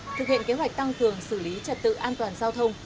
thực hiện kế hoạch tăng cường xử lý trật tự an toàn giao thông